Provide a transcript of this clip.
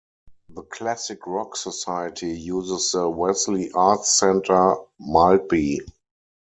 The Classic Rock Society uses the Wesley Arts Centre, Maltby.